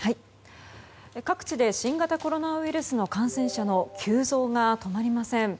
各地で新型コロナウイルスの感染者の急増が止まりません。